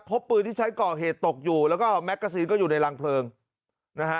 พบปืนที่ใช้ก่อเหตุตกอยู่แล้วก็แมกกาซีนก็อยู่ในรังเพลิงนะฮะ